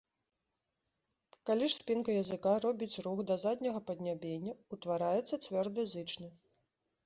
Калі ж спінка языка робіць рух да задняга паднябення, утвараецца цвёрды зычны.